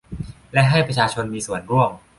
และให้ประชาชนมีส่วนร่วม